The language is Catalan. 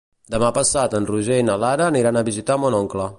Demà passat en Roger i na Lara aniran a visitar mon oncle.